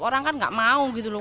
orang kan nggak mau gitu loh